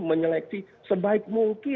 menyeleksi sebaik mungkin